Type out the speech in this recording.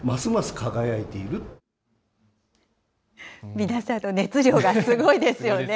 皆さんの熱量がすごいですよね。